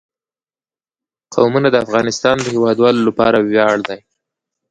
قومونه د افغانستان د هیوادوالو لپاره ویاړ دی.